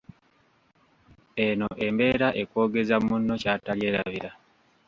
Eno embeera ekwogeza munno ky’atalyerabira.